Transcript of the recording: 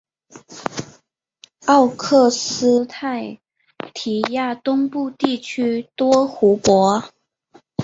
奥克施泰提亚东部地区多湖泊。